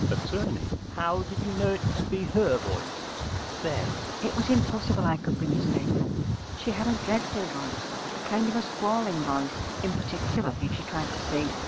Att. How did you know it to be her voice? S. It was impossible I could be mistaken. She had a dreadful voice, a kind of a squalling voice, in particular if she tried to sing.